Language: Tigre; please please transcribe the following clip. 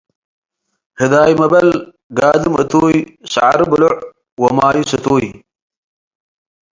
ህዳይ መበል ጋድም እቱይ፣ ሰዐሩ ብሎዕ ወማዩ ስቱይ።